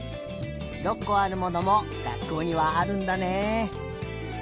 ６こあるものもがっこうにはあるんだね。